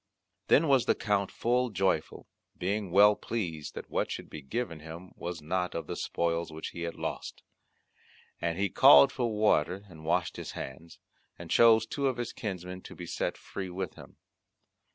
Then was the Count full joyful, being well pleased that what should be given him was not of the spoils which he had lost; and he called for water and washed his hands, and chose two of his kinsmen to be set free with him.